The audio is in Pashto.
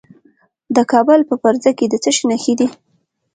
د کابل په فرزه کې د څه شي نښې دي؟